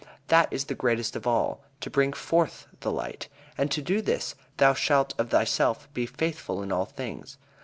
That is the greatest of all to bring forth the light. And to do this, thou shalt of thyself be faithful in all things.